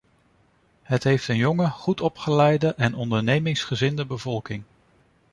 Het heeft een jonge, goed opgeleide en ondernemingsgezinde bevolking.